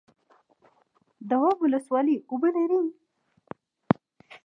دواب ولسوالۍ اوبه لري؟